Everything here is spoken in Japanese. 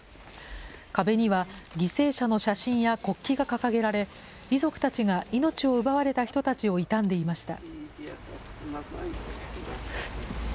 壁には、犠牲者の写真や国旗が掲げられ、遺族たちが命を奪われた人たちを悼んでいました。